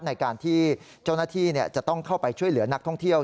ในการที่เจ้าหน้าที่จะต้องเข้าไปช่วยเหลือนักท่องเที่ยว